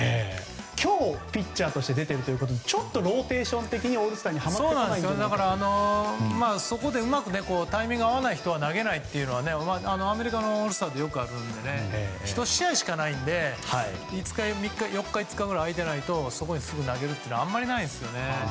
今日、ピッチャーとして出ているということでちょっとローテーション的にオールスターにはそこでうまくタイミングが合わない人は投げないというのはアメリカのオールスターでよくあるので１試合しかないので４日、５日空いていないとすぐ投げるというのはあまりないですね。